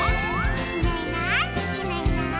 「いないいないいないいない」